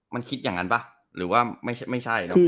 มันคิดอย่างนั้นป่ะหรือว่าไม่ใช่เนอะ